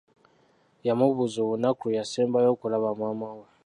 Yamubuuza olunaku lwe yasembayo okulaba maama we.